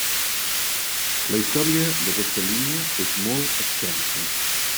La història d'aquesta línia és molt extensa.